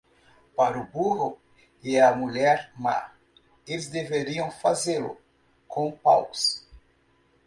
Para o burro e a mulher má, eles deveriam fazê-lo com paus.